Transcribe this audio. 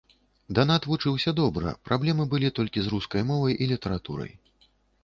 Данат вучыўся добра, праблемы былі толькі з рускай мовай і літаратурай.